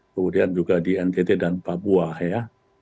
kemudian juga di ntt dan papua ya